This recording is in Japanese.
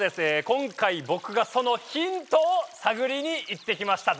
今回ぼくがそのヒントを探りに行ってきました。